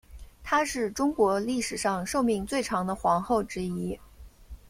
她是中国历史上寿命最长的皇后之一。